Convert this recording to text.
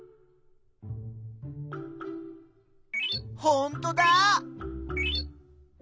ほんとだ！